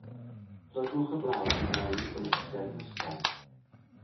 Plygwch y blawd i mewn i'r gymysgedd yn ysgafn.